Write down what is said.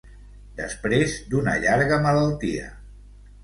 Després d'una llarga malaltia.